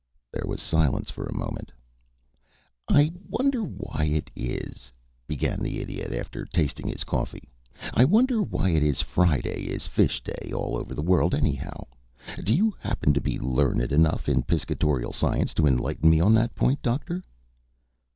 There was silence for a moment. "I wonder why it is," began the Idiot, after tasting his coffee "I wonder why it is Friday is fish day all over the world, anyhow? Do you happen to be learned enough in piscatorial science to enlighten me on that point, Doctor?"